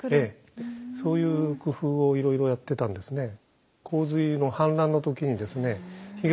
そういう工夫をいろいろやってたんですね。